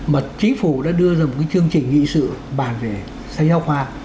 mà chính phủ đã đưa ra một cái chương trình nghị sự bàn về sách giáo khoa